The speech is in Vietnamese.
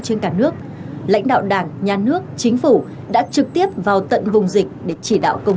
trên cả nước lãnh đạo đảng nhà nước chính phủ đã trực tiếp vào tận vùng dịch để chỉ đạo công